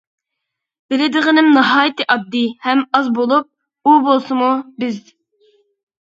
بىلىدىغىنىم ناھايىتى ئاددىي ھەم ئاز بولۇپ، ئۇ بولسىمۇ بىز.